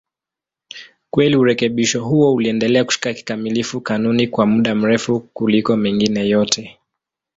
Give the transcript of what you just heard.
Kweli urekebisho huo uliendelea kushika kikamilifu kanuni kwa muda mrefu kuliko mengine yote.